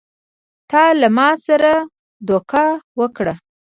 تا له ما سره دوکه وکړه!